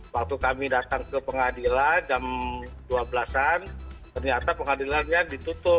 waktu kami datang ke pengadilan jam dua belas an ternyata pengadilannya ditutup